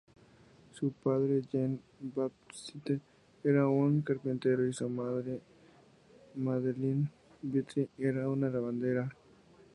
Su padre, Jean-Baptiste, era un carpintero y su madre, Madeleine Vitry, era una lavandera.